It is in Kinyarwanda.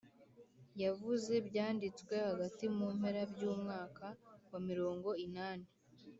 yavuze byanditswe hagati mu mpera by’umwaka wa mirongo inani,